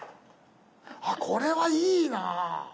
あっこれはいいな！